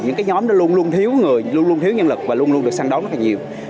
những cái nhóm đó luôn luôn thiếu người luôn luôn thiếu nhân lực và luôn luôn được săn đón rất là nhiều